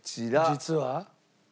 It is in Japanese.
実は？